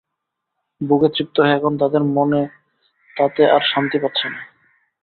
ভোগে তৃপ্ত হয়ে এখন তাদের মন তাতে আর শান্তি পাচ্ছে না।